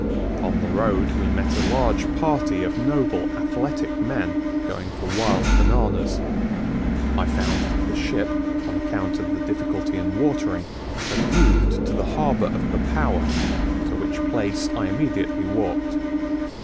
On the road we met a large party of noble athletic men, going for wild bananas. I found that the ship, on account of the difficulty in watering, had moved to the harbour of Papawa, to which place I immediately walked.